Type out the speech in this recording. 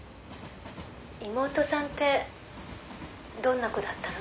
「妹さんってどんな子だったの？」